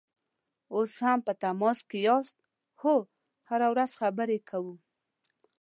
اوس هم په تماس کې یاست؟ هو، هره ورځ خبرې کوو